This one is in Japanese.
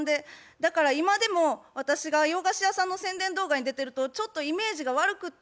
だから今でも私が洋菓子屋さんの宣伝動画に出てるとちょっとイメージが悪くって。